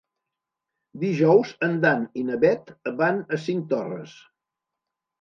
Dijous en Dan i na Bet van a Cinctorres.